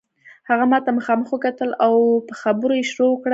هغه ماته مخامخ وکتل او په خبرو یې شروع وکړه.